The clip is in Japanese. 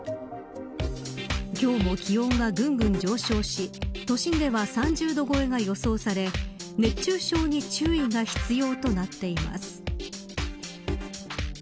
今日も気温がぐんぐん上昇し都心では３０度超えが予想され熱中症に注意が必要となっています。